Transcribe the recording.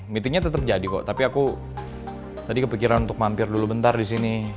meetingnya tetap jadi kok tapi aku tadi kepikiran untuk mampir dulu bentar di sini